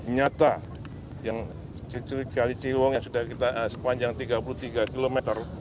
nyata yang ciliwung yang sepanjang tiga puluh tiga km